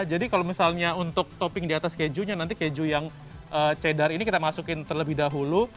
jadi kalau misalnya untuk topping di atas kejunya nanti keju yang cheddar ini kita masukin terlebih dahulu